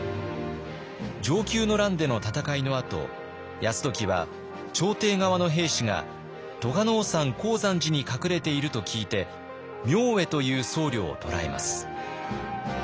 承久の乱での戦いのあと泰時は朝廷側の兵士が栂尾山高山寺に隠れていると聞いて明恵という僧侶を捕らえます。